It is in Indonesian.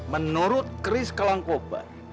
menurut chris kelangkobar